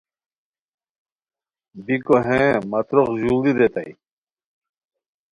بیکو ہیں مہ تروق ژوڑی! ریتائے